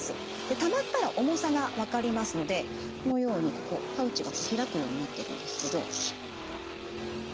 たまったら重さが分かりますのでこのようにここパウチが開くようになってるんですけど。